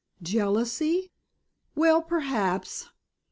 Jealous? Well, perhaps.